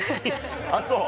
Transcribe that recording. あっそう。